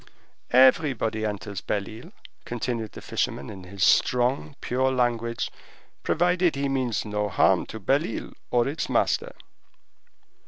"Everybody enters Belle Isle," continued the fisherman in his strong, pure language, "provided he means no harm to Belle Isle or its master."